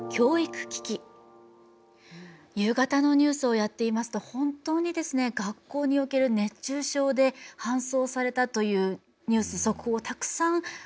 夕方のニュースをやっていますと本当に学校における熱中症で搬送されたというニュース速報をたくさん伝えることが増えました。